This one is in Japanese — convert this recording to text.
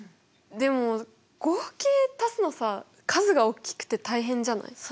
でも合計足すのさ数がおっきくて大変じゃない？